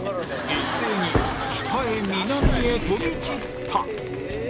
一斉に北へ南へ飛び散った